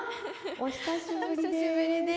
お久しぶりです。